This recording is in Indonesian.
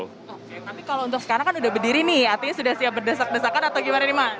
oke tapi kalau untuk sekarang kan udah berdiri nih artinya sudah siap berdesak desakan atau gimana nih mak